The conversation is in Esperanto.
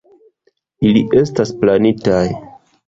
Ili estas planitaj.